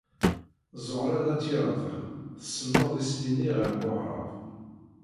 Ẓuhṛa n At Yiraten tsenned isili-nni ɣer weɣrab.